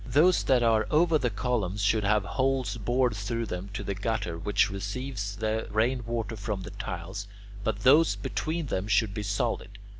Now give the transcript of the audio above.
Those that are over the columns should have holes bored through them to the gutter which receives the rainwater from the tiles, but those between them should be solid.